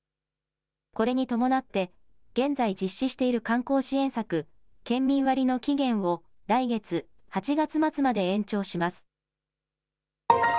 これに伴って現在実施している観光支援策、県民割の期限を来月、８月末まで延長します。